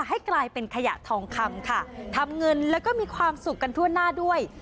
ให้กลายเป็นขยะทองคำค่ะทำเงินแล้วก็มีความสุขกันทั่วหน้าด้วย